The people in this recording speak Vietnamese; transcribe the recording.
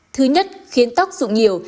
thứ nhất khiến tóc rụng nhiều